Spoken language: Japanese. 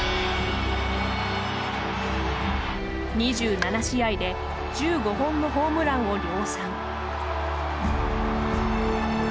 ２７試合で１５本のホームランを量産。